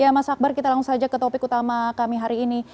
ya mas akbar kita langsung saja ke topik utama kami hari ini